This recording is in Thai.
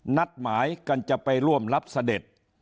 นัดหมายกันจะไปร่วมรับเสด็จ